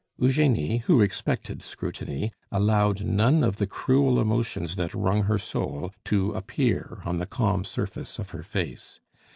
Eugenie, who expected scrutiny, allowed none of the cruel emotions that wrung her soul to appear on the calm surface of her face.